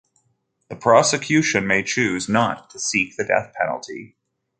The prosecution may choose not to seek the death penalty.